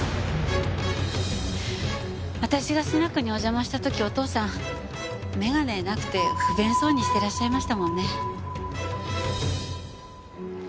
私がスナックにお邪魔した時お父さん眼鏡なくて不便そうにしてらっしゃいましたもんね。